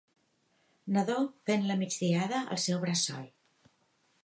Nadó fent la migdiada al seu bressol.